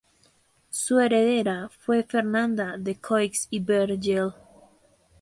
Su heredera fue Fernanda de Croix y Vergel.